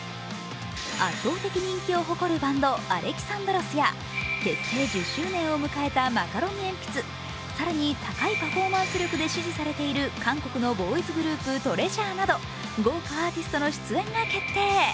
圧倒的人気を誇るバンド［Ａｌｅｘａｎｄｒｏｓ］や結成１０周年を迎えたマカロニえんぴつ、更に、高いパフォーマンス力で支持されている韓国のボーイズグループ、ＴＲＥＡＳＵＲＥなど豪華アーティストの出演が決定。